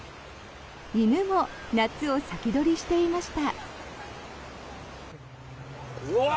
犬も夏を先取りしていました。